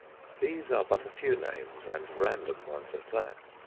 These are but a few names, and random ones at that.